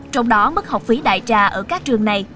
trong đó mức học phí đại trà ở các trường này